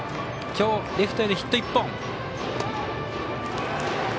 きょう、レフトへのヒット１本。